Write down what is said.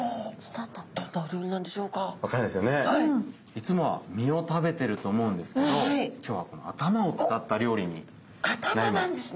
いつもは身を食べてると思うんですけど今日はこの頭を使った料理になります。